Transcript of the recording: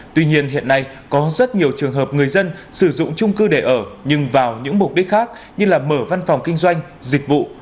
tuy nhiên hiện nay có rất nhiều trường hợp người dân sử dụng trung cư để ở nhưng vào những mục đích khác như là mở văn phòng kinh doanh dịch vụ